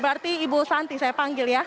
berarti ibu santi saya panggil ya